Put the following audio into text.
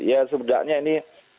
ya sebenarnya ini